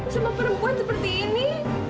sama perempuan seperti ini